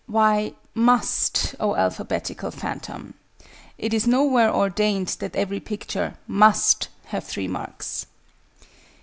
Why "must," oh alphabetical phantom? It is nowhere ordained that every picture "must" have 3 marks!